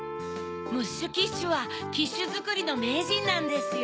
ムッシュ・キッシュはキッシュづくりのめいじんなんですよ。